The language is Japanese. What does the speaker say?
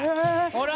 ほら！